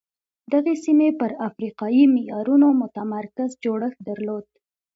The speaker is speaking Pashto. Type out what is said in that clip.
دغې سیمې پر افریقایي معیارونو متمرکز جوړښت درلود.